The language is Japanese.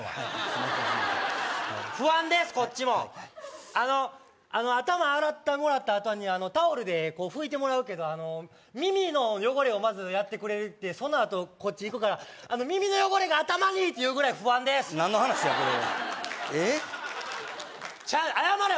すいません不安ですこっちもあのあの頭洗ってもらったあとにタオルでこう拭いてもらうけどあの耳の汚れをまずやってくれてそのあとこっちいくから耳の汚れが頭にっていうぐらい不安です何の話やこれは？えっ？ちゃんと謝れ！